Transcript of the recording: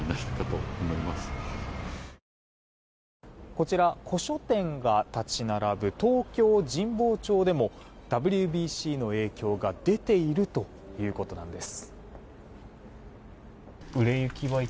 こちら古書店が立ち並ぶ東京・神保町でもＷＢＣの影響が出ているということなんです。